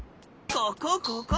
ここここ！